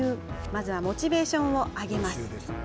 まずはモチベーションを上げます。